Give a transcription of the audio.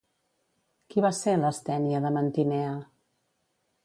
Qui va ser Lastènia de Mantinea?